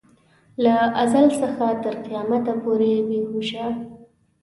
له ازل څخه تر قیامته پورې بې هوشه.